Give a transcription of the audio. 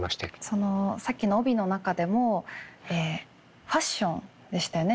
そのさっきの帯の中でもファッションでしたよね